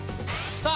さあ